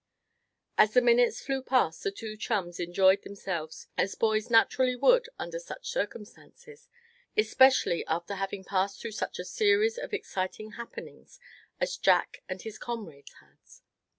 As the minutes flew past the two chums enjoyed themselves as boys naturally would under similar circumstances; especially after having passed through such a series of exciting happenings as Jack and his comrades had.